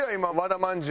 まんじゅう！